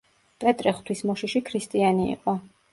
პეტრე ღვთისმოშიში ქრისტიანი იყო.